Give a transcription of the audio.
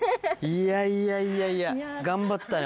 いやいやいやいや頑張ったよ